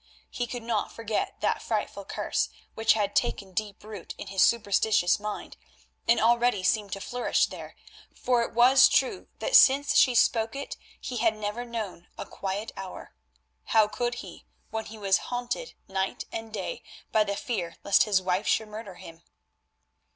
He could not forget that frightful curse which had taken deep root in his superstitious mind, and already seemed to flourish there, for it was true that since she spoke it he had never known a quiet hour. How could he when he was haunted night and day by the fear lest his wife should murder him?